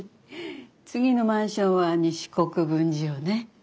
次のマンションは西国分寺よね。